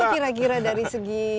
tapi kira kira dari segi